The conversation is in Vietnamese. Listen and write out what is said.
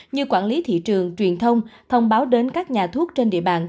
như quản lý thị trường truyền thông thông báo đến các nhà thuốc trên địa bàn